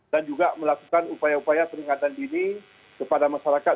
dan juga melakukan upaya upaya peningkatan dini kepada masyarakat